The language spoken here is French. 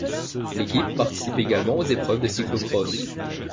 L'équipe participe également aux épreuves de cyclo-cross.